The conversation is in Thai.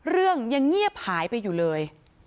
เรื่องยังเงียบหายไปอยู่เลย